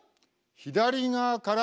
左側から。